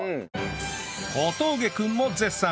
小峠君も絶賛！